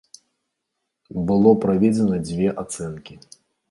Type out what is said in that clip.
Было праведзена дзве ацэнкі.